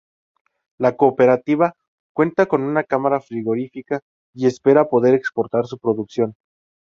La cooperativa cuenta con una cámara frigorífica y espera poder exportar su producción.